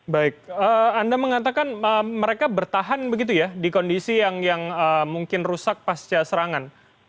baik anda mengatakan mereka bertahan begitu ya di kondisi yang mungkin rusak pasca serangan